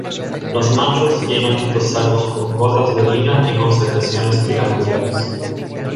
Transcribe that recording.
Los machos llenan estos sacos con gotas de orina y con secreciones glandulares.